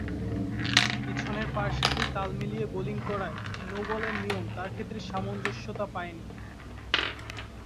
পিছনের পায়ের সাথে তাল মিলিয়ে বোলিং করায় নো বলের নিয়ম তার ক্ষেত্রে সামঞ্জস্যতা পায়নি।